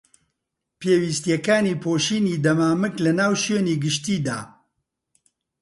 پێویستیەکانی پۆشینی دەمامک لەناو شوێنی گشتیدا